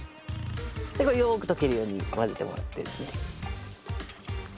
でこれをよく溶けるように混ぜてもらってですね。